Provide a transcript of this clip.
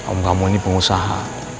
om kamu ini pengusaha